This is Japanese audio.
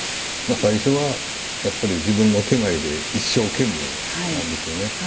最初はやっぱり自分の点前で一生懸命なんですよね。